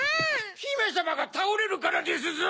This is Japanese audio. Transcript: ひめさまがたおれるからですぞ！